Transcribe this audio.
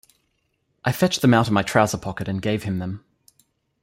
I fetched them out of my trouser pocket and gave him them.